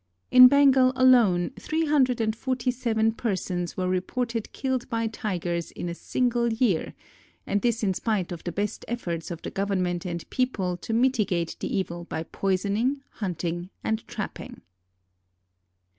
In Bengal alone three hundred and forty seven persons were reported killed by Tigers in a single year, and this in spite of the best efforts of the government and people to mitigate the evil by poisoning, hunting and trapping.